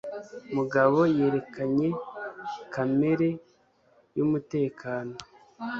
Mugabo yerekanye kamera yumutekano.